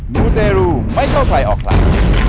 มูเตรูไม่เข้าใครออกใคร